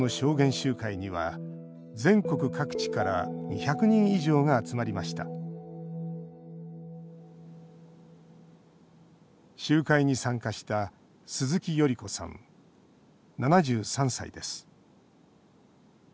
集会に参加した鈴木頼子さん、７３歳です。